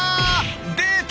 出た！